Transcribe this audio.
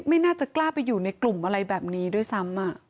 ไม่น่าจะกล้าไปอยู่ในกลุ่มอะไรแบบนี้ด้วยซ้ำ